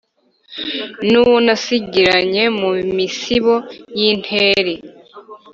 N’uwo nasigiranye mu misibo y’intere,